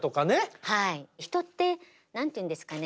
人って何て言うんですかね